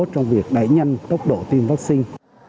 trong việc đẩy nhanh tốc độ tiêm vắc xin